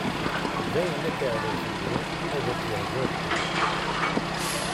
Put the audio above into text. Dayen akeɛrer fell-i ad k-yehdu ṛebbi!